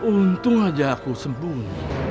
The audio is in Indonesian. untung aja aku sembuh